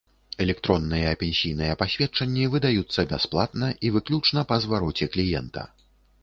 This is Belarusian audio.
Электронныя пенсійныя пасведчанні выдаюцца бясплатна і выключна па звароце кліента.